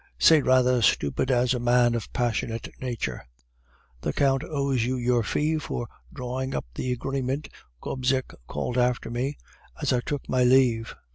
"'Say rather stupid as a man of passionate nature.' "'The Count owes you your fee for drawing up the agreement!' Gobseck called after me as I took my leave."